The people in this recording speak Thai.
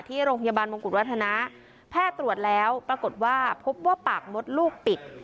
ที่โรงพยาบาลมงกุฎวัฒนาแพทย์ตรวจแล้วปรากฏว่าพบว่าปากมดลูกปิด